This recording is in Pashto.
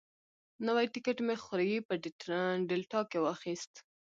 نوی ټکټ مې خوریي په ډیلټا کې واخیست.